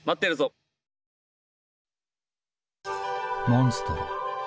モンストロ。